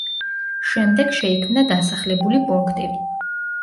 შემდეგ შეიქმნა დასახლებული პუნქტი.